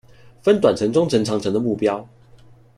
分短程中程長程的目標